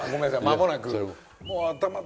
まもなく。